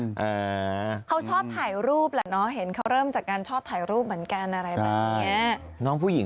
อ่าเขาชอบถ่ายรูปแหละเนอะเห็นเขาเริ่มจากการชอบถ่ายรูปเหมือนกันอะไรแบบเนี้ยน้องผู้หญิง